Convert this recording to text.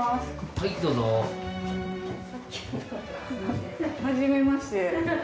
はじめまして。